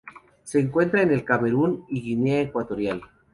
Se encuentra en el Camerún y Guinea Ecuatorial.